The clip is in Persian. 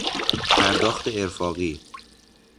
پرداخت ارفاقی